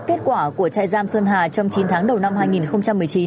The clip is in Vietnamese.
kết quả của chạy giam xuân hà trong chín tháng đầu năm hai nghìn một mươi chín